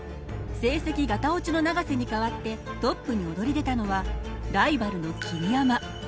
成績ガタオチの永瀬に代わってトップに躍り出たのはライバルの桐山。